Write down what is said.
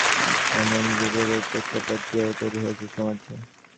কিন্তু সরকারকে ভেবে দেখতে হবে এমন গুজবের প্রেক্ষাপট কীভাবে তৈরি হয়েছে সমাজে।